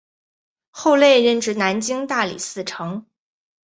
后累任至南京大理寺丞。